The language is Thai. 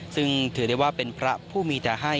ซึ่งถือได้ว่าเป็นพระผู้มีแต่ให้